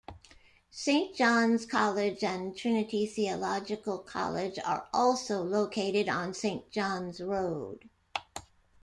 Saint John's College and Trinity Theological College are also located on Saint John's Road.